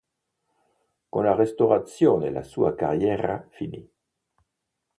Con la Restaurazione la sua carriera finì.